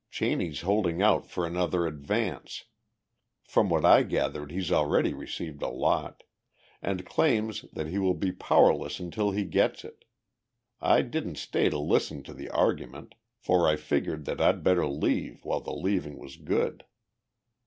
Cheney's holding out for another advance from what I gathered he's already received a lot and claims that he will be powerless unless he gets it. I didn't stay to listen to the argument, for I figured that I'd better leave while the leaving was good."